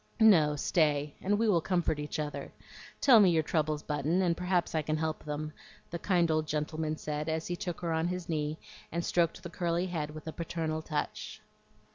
"No, stay, and we will comfort each other. Tell me your troubles, Button, and perhaps I can help them," the kind old gentleman said as he took her on his knee and stroked the curly head with a paternal touch.